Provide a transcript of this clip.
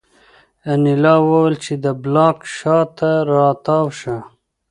انیلا وویل چې د بلاک شا ته را تاو شه